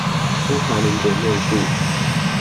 中華民國內部